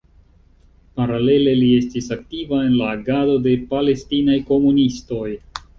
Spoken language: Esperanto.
Paralele li estis aktiva en la agado de palestinaj komunistoj.